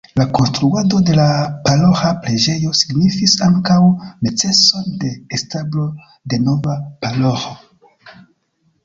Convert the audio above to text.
La konstruado de la paroĥa preĝejo signifis ankaŭ neceson de establo de nova paroĥo.